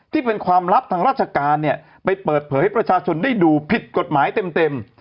ที่เป็นความลับทางราชการเนี่ยไปเปิดเผยให้ประชาชนได้ดูผิดกฎหมายเต็ม